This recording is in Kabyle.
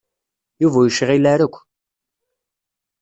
Yuba ur yecɣil ara akk.